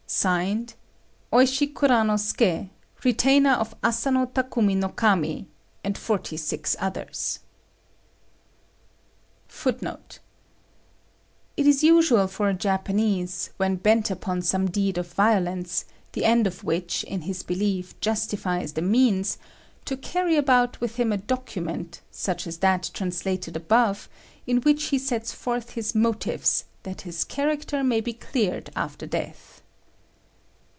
"Signed, OISHI KURANOSUKÉ, Retainer of Asano Takumi no Kami, and forty six others." [Footnote 6: It is usual for a Japanese, when bent upon some deed of violence, the end of which, in his belief, justifies the means, to carry about with him a document, such as that translated above, in which he sets forth his motives, that his character may be cleared after death.